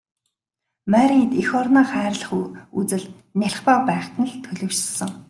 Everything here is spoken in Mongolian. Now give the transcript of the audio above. Марияд эх орноо хайрлах үзэл нялх бага байхад нь л төлөвшсөн.